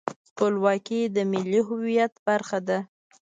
خپلواکي د ملي هویت مهمه برخه ده.